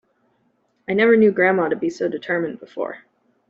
I never knew grandma to be so determined before.